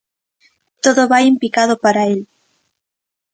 Todo vai en picado para el.